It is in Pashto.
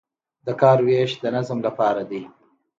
د کار ویش د نظم لپاره دی